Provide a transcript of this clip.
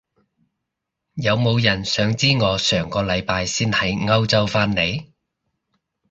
有冇人想知我上個禮拜先喺歐洲返嚟？